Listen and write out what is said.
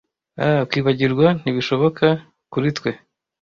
ah kwibagirwa ntibishoboka kuri twe